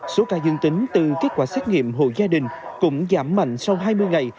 số ca dương tính từ kết quả xét nghiệm hộ gia đình cũng giảm mạnh sau hai mươi ngày